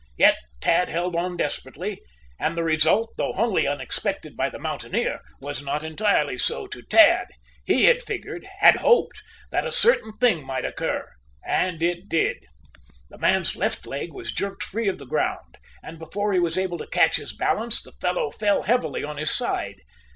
Yet Tad held on desperately. And the result, though wholly unexpected by the mountaineer, was not entirely so to Tad. He had figured had hoped that a certain thing might occur. And it did. The man's left leg was jerked free of the ground, and before he was able to catch his balance the fellow fell heavily on his side.